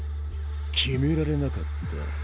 決められなかった。